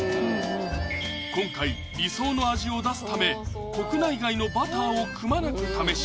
今回理想の味を出すため国内外のバターをくまなく試し